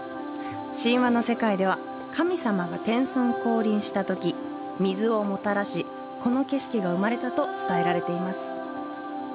神話の世界では、神様が天孫降臨したとき水をもたらしこの景色が生まれたと伝えられています。